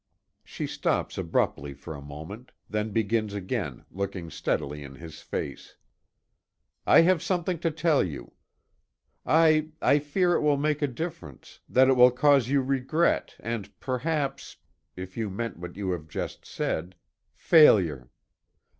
She stops abruptly for a moment, then begins again, looking steadily in his face: "I have something to tell you. I I fear it will make a difference; that it will cause you regret, and perhaps if you meant what you have just said failure.